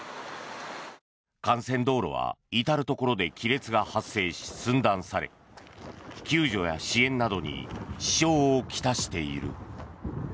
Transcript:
幹線道路は至るところで亀裂が発生し寸断され救助や支援などに支障を来している。